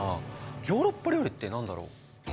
ヨーロッパ料理って何だろう？